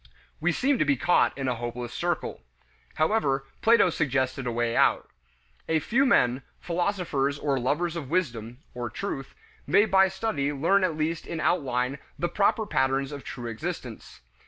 We seem to be caught in a hopeless circle. However, Plato suggested a way out. A few men, philosophers or lovers of wisdom or truth may by study learn at least in outline the proper patterns of true existence.